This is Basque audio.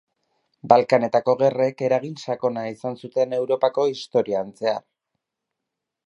Balkanetako Gerrek eragin sakona izan zuten Europako historian zehar.